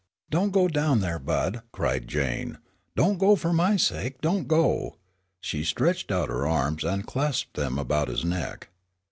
"Don't go down there, Bud!" cried Jane. "Don't go, fur my sake, don't go." She stretched out her arms, and clasped them about his neck.